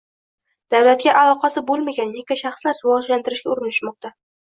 – davlatga aloqasi bo‘lmagan yakka shaxslar rivojlantirishga urinishmoqda.